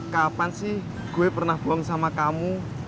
kapan sih gue pernah buang sama kamu